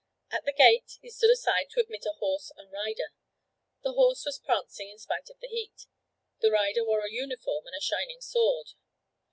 At the gate he stood aside to admit a horse and rider. The horse was prancing in spite of the heat; the rider wore a uniform and a shining sword.